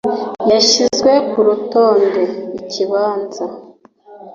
yashyizwe ku rutonde: "ikibanza".